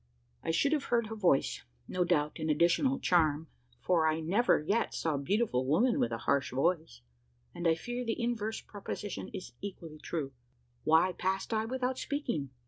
I should have heard her voice no doubt an additional charm for I never yet saw a beautiful woman with a harsh voice; and I fear the inverse proposition is equally true. Why passed I without speaking?